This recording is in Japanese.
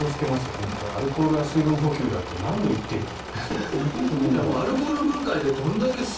アルコールは水分補給って何回言ってるか。